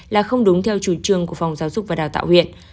là không đúng theo chủ trương của phòng giáo dục và đào tạo huyện